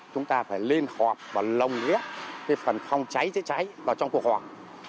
chúng ta phải lên họp và lồng lía phần phòng cháy cháy cháy vào trong cuộc họp